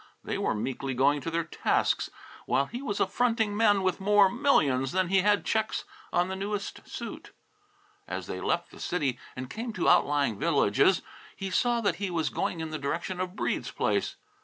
They were meekly going to their tasks while he was affronting men with more millions than he had checks on the newest suit. As they left the city and came to outlying villages, he saw that he was going in the direction of Breede's place.